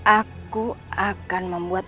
aku akan membuat